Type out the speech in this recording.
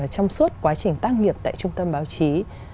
trong suốt quá trình tác nghiệp tại trung tâm báo chí